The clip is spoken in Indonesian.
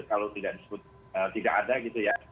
kalau tidak ada gitu ya